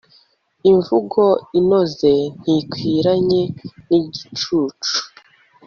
imvugo inoze ntikwiranye n'igicucu